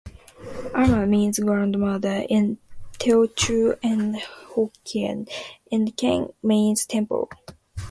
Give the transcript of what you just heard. "Ama" means "grandmother" in Teochew and Hokkien, and "keng" means "temple".